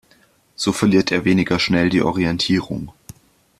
So verliert er weniger schnell die Orientierung.